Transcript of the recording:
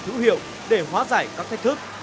và thữ hiệu để hóa giải các thách thức